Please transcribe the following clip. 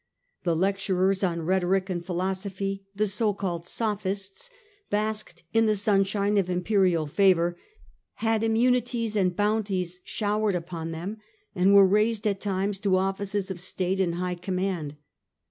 The lecturers on rhetoric and philosophy, the so called sophists, basked in the sunshine of imperial favour, had immunities and bounties showered upon them, and were raised at times to offices of state and high command.